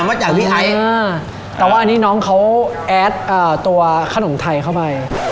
มาจากพี่ไอซ์แต่ว่าอันนี้น้องเขาแอดตัวขนมไทยเข้าไป